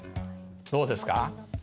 どうですか？